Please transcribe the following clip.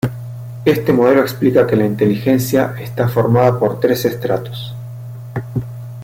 Este modelo explica que la inteligencia está formada por tres estratos.